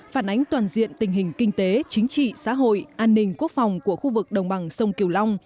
phản ánh toàn diện tình hình kinh tế chính trị xã hội an ninh quốc phòng của khu vực đồng bằng sông kiều long